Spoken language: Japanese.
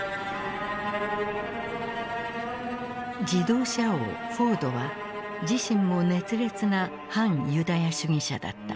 自動車王・フォードは自身も熱烈な反ユダヤ主義者だった。